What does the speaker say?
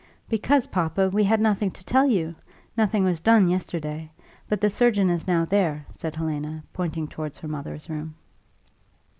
"Because, papa, we had nothing to tell you: nothing was done yesterday. But the surgeon is now there," said Helena, pointing towards her mother's room.